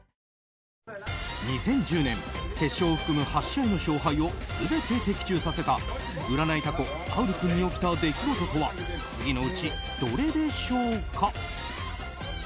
８試合の勝敗を全て的中させた占いタコパウル君に起きた出来事とは次のうち、どれでしょうか？